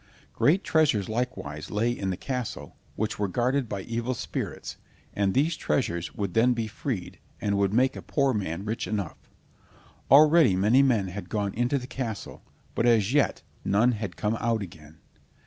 Great treasures likewise lay in the castle, which were guarded by evil spirits, and these treasures would then be freed, and would make a poor man rich enough. Already many men had gone into the castle, but as yet none had come out again.